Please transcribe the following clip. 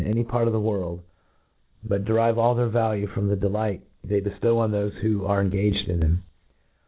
ijy part of the ^orld ; bpt derive all their value from the delight they beftow on thofc who arc engaged in them.